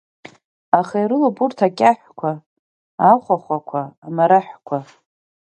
Аха ирылоуп урҭ акьаҳәқәа, ахәахәақәа, амараҳәқәа.